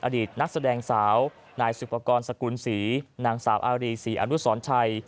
อดีตนักแสดงสาวนายสุปกรณ์สกุลศรีนางสาวอารีศรีอนุสรชัย